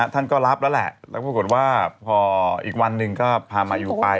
ท่านก็รับแล้วแหละแล้วปรากฏว่าพออีกวันหนึ่งก็พามายูไป